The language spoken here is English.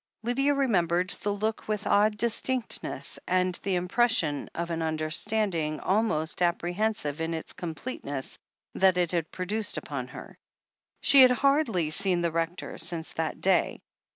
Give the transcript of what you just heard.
Lydia remembered the look with odd distinctness, and the impression of an understanding almost appre hensive in its completeness, that it had produced upon her. She had hardly seen the Rector since that day.